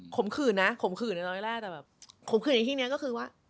ขืนนะข่มขืนในตอนแรกแต่แบบข่มขืนในที่นี้ก็คือว่า